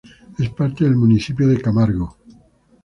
Es parte del municipio de Camargo.